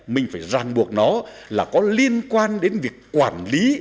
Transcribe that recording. mình phải ràng buộc nó là có liên quan đến việc quản lý